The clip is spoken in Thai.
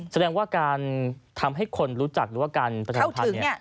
แสดงว่าการทำให้คนรู้จักหรือว่าการประชาสัมพันธ์เนี่ย